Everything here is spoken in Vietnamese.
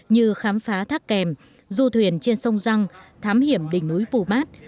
như khám phá thác kèm du thuyền trên sông răng thám hiểm đỉnh núi pumat